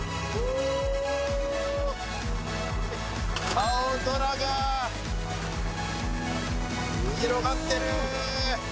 青空が広がってる！